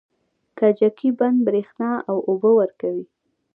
کجکي بند بریښنا او اوبه ورکوي